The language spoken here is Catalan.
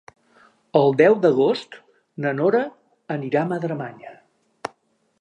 El deu d'agost na Nora anirà a Madremanya.